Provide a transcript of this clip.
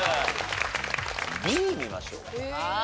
Ｂ見ましょうか。